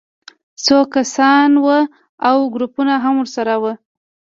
څو کسان وو او ګروپونه هم ورسره وو